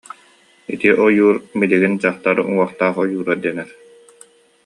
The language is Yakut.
Ити ойуур билигин Дьахтар уҥуохтаах ойуура дэнэр